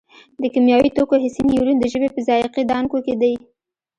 د کیمیاوي توکو حسي نیورون د ژبې په ذایقې دانکو کې دي.